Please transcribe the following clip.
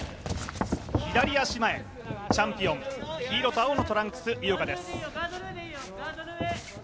左足前、チャンピオン、黄色と青のトランクス、井岡です。